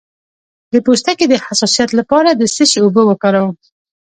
د پوستکي د حساسیت لپاره د څه شي اوبه وکاروم؟